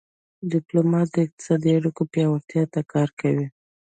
ډيپلومات د اقتصادي اړیکو پیاوړتیا ته کار کوي.